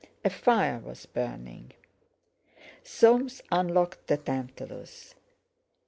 A fire was burning. Soames unlocked the tantalus.